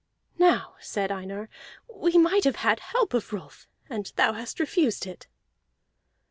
"Now," said Einar, "we might have had help of Rolf, and thou hast refused it."